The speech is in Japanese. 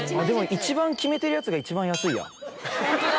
でも一番キメてるやつが一番安いや。